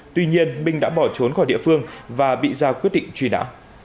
tuy nhiên minh đã bỏ trốn khỏi địa phương và bị ra quyết định truy nã